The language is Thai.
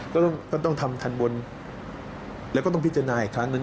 ก็ต้องทำทันบนแล้วก็ต้องพิจารณาอีกครั้งหนึ่ง